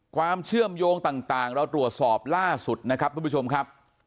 ความเชื่อมโยงต่างเราตรวจสอบล่าสุดนะครับทุกผู้ชมครับ